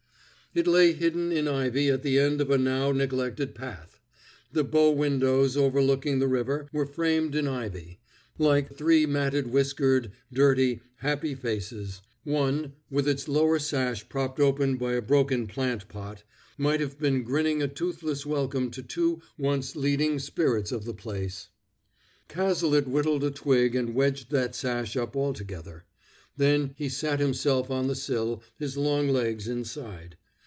It lay hidden in ivy at the end of a now neglected path; the bow windows overlooking the river were framed in ivy, like three matted, whiskered, dirty, happy faces; one, with its lower sash propped open by a broken plant pot, might have been grinning a toothless welcome to two once leading spirits of the place. Cazalet whittled a twig and wedged that sash up altogether; then he sat himself on the sill, his long legs inside.